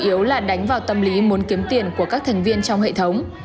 chủ yếu là đánh vào tâm lý muốn kiếm tiền của các thành viên trong hệ thống